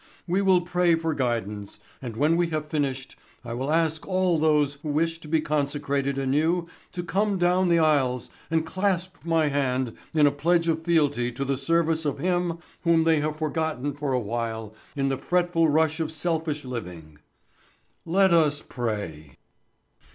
We will pray for guidance and when we have finished I will ask all those who wish to be consecrated anew to come down the aisles and clasp my hand in a pledge of fealty to the service of Him whom they have forgotten for a while in the fretful rush of selfish living. Let us pray."